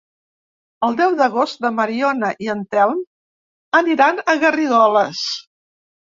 El deu d'agost na Mariona i en Telm aniran a Garrigoles.